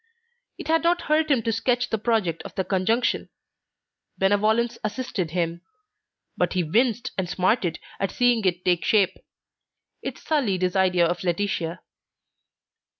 It had not hurt him to sketch the project of the conjunction; benevolence assisted him; but he winced and smarted on seeing it take shape. It sullied his idea of Laetitia.